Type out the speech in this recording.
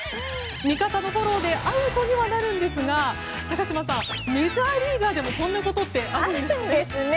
味方のフォローでアウトにはなるんですが高島さん、メジャーリーガーでもこんなことってあるんですね。